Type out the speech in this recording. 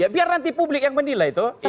biar nanti publik yang menilai itu